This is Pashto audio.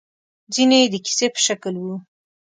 ځينې يې د کيسې په شکل وو.